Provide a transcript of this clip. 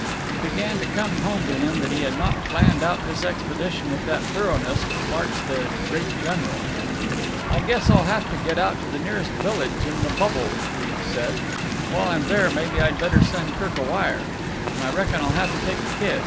It began to come home to him that he had not planned out this expedition with that thoroughness which marks the great general. "I guess I'll have to get out to the nearest village in the bubble," he said. "And while I'm there maybe I'd better send Kirk a wire. And I reckon I'll have to take the kid.